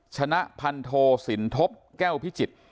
ชนะพันโทสินทบแก้วพิจิตร